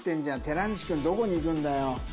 寺西君どこに行くんだよ。